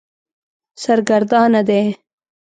سرګردانه دی.